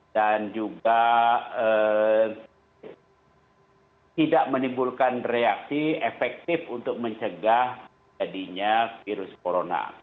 dan juga tidak menimbulkan reaksi efektif untuk mencegah jadinya virus corona